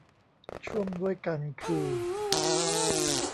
ช่วงด้วยกันคือ